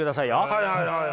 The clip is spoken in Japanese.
はいはいはい。